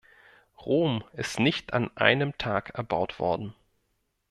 Rom ist nicht an einem Tag erbaut worden.